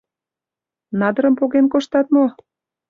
— Надырым поген коштат мо?